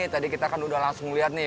tadi kita kan udah langsung lihat nih